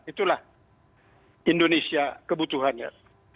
itulah indonesia kebutuhannya